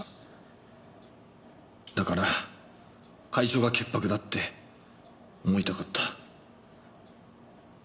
だから会長が潔白だって思いたかった。